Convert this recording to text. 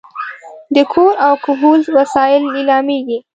د کور او کهول وسایل لیلامېږي.